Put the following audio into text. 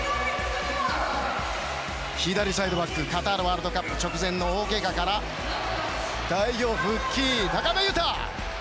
左サイドバックカタールワールドカップ直前の大けがから代表復帰、中山雄太。